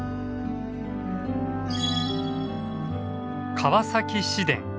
川崎市電。